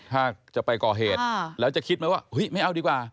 ถ้าจะไปก่อเหตุแล้วจะคิดไหมว่าเฮ้ยไม่เอาดีกว่า